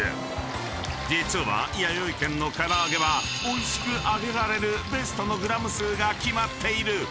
［実はやよい軒のから揚げはおいしく揚げられるベストのグラム数が決まっている］